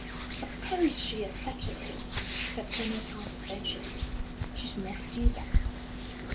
"Suppose she accepted him?" said Colonel Parsons, anxiously. "She'd never do that."